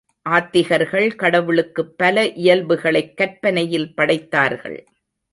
ஆத்திகர்கள் கடவுளுக்குப் பல இயல்புகளைக் கற்பனையில் படைத்தார்கள்.